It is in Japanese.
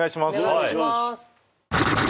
お願いします